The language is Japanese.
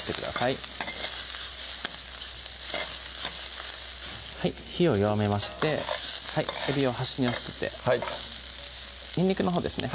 はい火を弱めましてえびを端に寄せてはいにんにくのほうですね